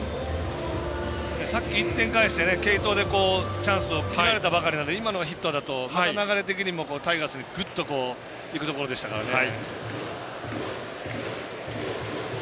さっき１点返して、継投でチャンスを切られたばかりなので今の落ちると流れ的にもタイガースにグッといくところでしたからね。